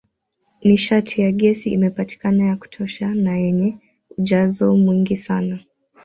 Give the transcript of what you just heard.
Nishati ya gesi imepatikana ya kutosha na yenye ujazo mwingi sana